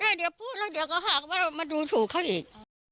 เดี๋ยวพูดแล้วเดี๋ยวก็หากว่ามาดูถูกเขาอีก